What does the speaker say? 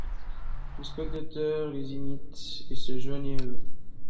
Les spectateurs les imitent et se joignent à eux.